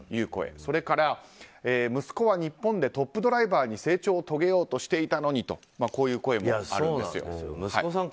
それから、息子は日本でトップドライバーに成長を遂げようとしていたのにとこういう声もあるんですよ。